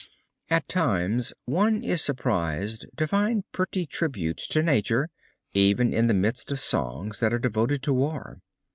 At times one is surprised to find pretty tributes to nature even in the midst of songs that are devoted to war.